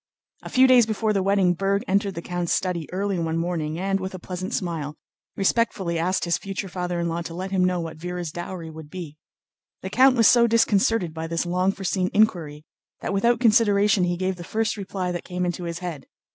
A few days before the wedding Berg entered the count's study early one morning and, with a pleasant smile, respectfully asked his future father in law to let him know what Véra's dowry would be. The count was so disconcerted by this long foreseen inquiry that without consideration he gave the first reply that came into his head.